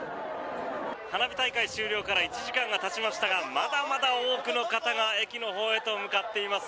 花火大会終了から１時間がたちましたがまだまだ多くの方が駅のほうへと向かっています。